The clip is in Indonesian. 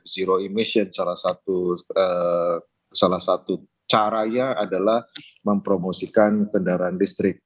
zero emission salah satu caranya adalah mempromosikan kendaraan listrik